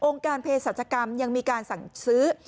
การเพศรัชกรรมยังมีการสั่งซื้อ